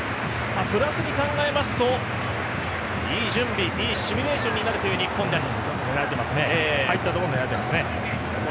プラスに考えますと、いい準備、いいシミュレーションになるという日本です。